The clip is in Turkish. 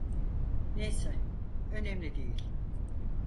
Neyse, önemli değil.